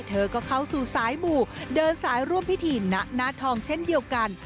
เธอก็เข้าสู่สายหมู่เดินสายร่วมพิธีณหน้าทองเช่นเดียวกัน